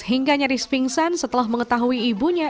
hingga nyaris pingsan setelah mengetahui ibunya